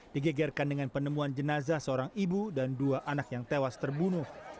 digegerkan dengan penemuan jenazah seorang ibu dan dua anak yang tewas terbunuh